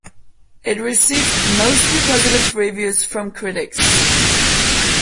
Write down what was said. It received mostly positive reviews from critics.